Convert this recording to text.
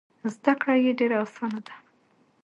زده کړه یې ډېره اسانه ده.